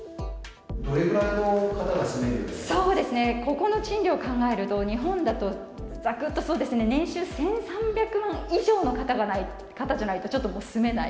そうですね、ここの賃料を考えると、日本だと、ざくっとそうですね、年収１３００万以上の方じゃないとちょっともう住めない。